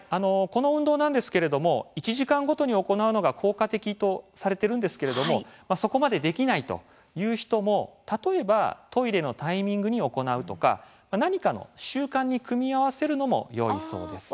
この運動なんですけれども１時間ごとに行うのが効果的とされているんですけれどもそこまで、できないという人も例えば、トイレのタイミングに行うとか、何かの習慣に組み合わせるのもよいそうです。